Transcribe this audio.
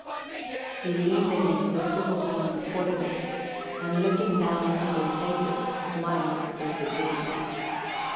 He leaned against the swivel gun on the quarter deck, and looking down into their faces, smiled disagreeably.